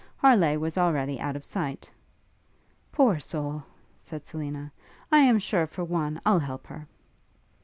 Harleigh was already out of sight. 'Pour soul!' said Selina, 'I am sure, for one, I'll help her.'